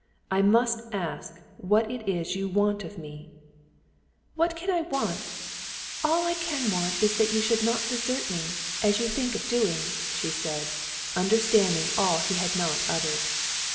"I must ask what it is you want of me?" "What can I want? All I can want is that you should not desert me, as you think of doing," she said, understanding all he had not uttered.